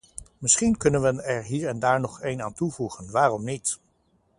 Misschien kunnen we er hier en daar nog een aan toevoegen, waarom niet.